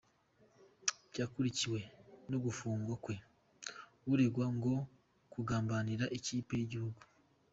Byakurikiwe no gufungwa kwe, aregwa ngo kugambanira ikipe y’igihugu.